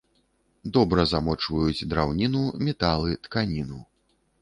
Добра змочваюць драўніну, металы, тканіну.